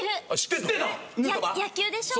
野球でしょ？